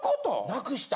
失くした？